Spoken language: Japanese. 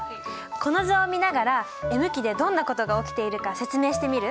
この図を見ながらＭ期でどんなことが起きているか説明してみる？